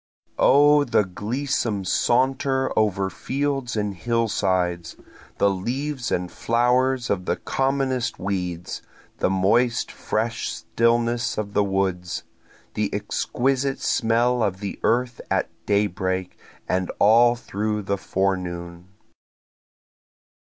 O the gleesome saunter over fields and hillsides! The leaves and flowers of the commonest weeds, the moist fresh stillness of the woods, The exquisite smell of the earth at daybreak, and all through the forenoon.